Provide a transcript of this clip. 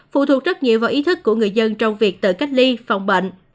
phụ thuộc rất nhiều vào ý thức của người dân trong việc tự cách ly phòng bệnh